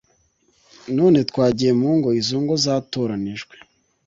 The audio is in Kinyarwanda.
none twagiye mu ngo izo ngo zatoranijwe